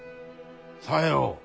さよう。